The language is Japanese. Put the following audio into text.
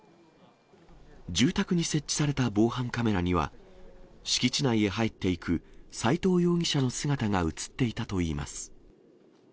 住宅に設置された防犯カメラには、敷地内へ入っていく斎藤容疑者の姿が写っていたといいます。